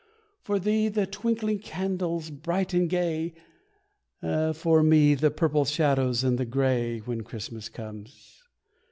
For thee, the twinkling candles bright and gay, For me, the purple shadows and the grey, When Christmas comes.